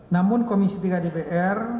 namun komisi tiga di pr